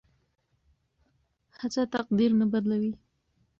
هڅه تقدیر نه بدلوي.